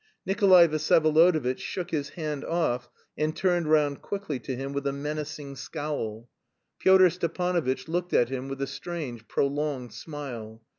Nikolay Vsyevolodovitch shook his hand off and turned round quickly to him with a menacing scowl. Pyotr Stepanovitch looked at him with a strange, prolonged smile.